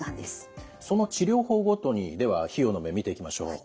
その治療法ごとにでは費用の面見ていきましょう。